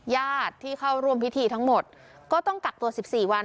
ญาติที่เข้าร่วมพิธีทั้งหมดก็ต้องกักตัว๑๔วัน